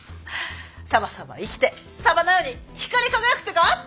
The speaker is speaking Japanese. サバサバ生きてサバのように光り輝くってか？